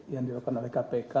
yang dilakukan oleh kpk